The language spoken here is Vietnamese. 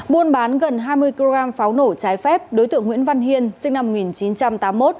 buôn bán gần hai mươi kg pháo nổ trái phép đối tượng nguyễn văn hiên sinh năm một nghìn chín trăm chín mươi